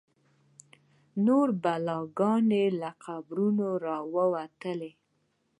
نور بلاګان له قبرونو راوتل.